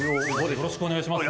よろしくお願いします。